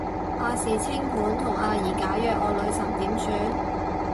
亞視清盤同阿儀解約，我女神點算